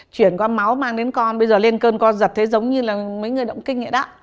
chuyển con máu mang đến con bây giờ lên cơn con giật thế giống như là mấy người động kinh vậy đó